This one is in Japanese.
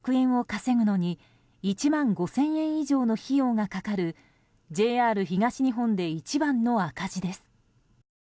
この区間は１００円を稼ぐのに１万５０００円以上の費用がかかるＪＲ東日本で一番の赤字です。